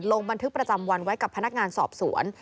ลงบันทึกประจำวันไว้กับพนักงานสอบสวน